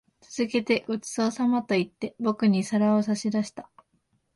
続けて、ご馳走様と言って、僕に皿を差し出した。